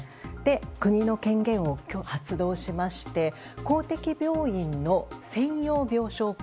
国の権限を発動しまして公的病院の専用病床化